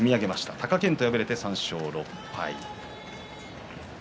貴健斗、敗れて３勝６敗。